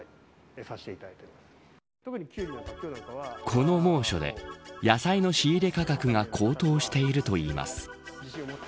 この猛暑で野菜の仕入れ価格が高騰しているといいます。